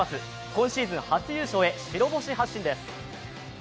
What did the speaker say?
今シーズン初優勝へ白星発進です。